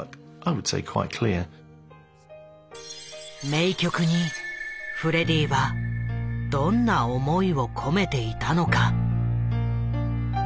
名曲にフレディはどんな思いを込めていたのか。